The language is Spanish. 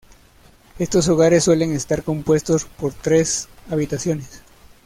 Estos hogares suelen estar compuestos por tres habitaciones.